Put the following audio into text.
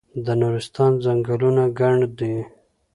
د نورستان ځنګلونه ګڼ دي